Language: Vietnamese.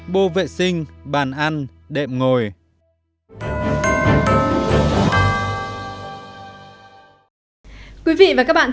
bô vệ sinh bàn ăn đệm ngồi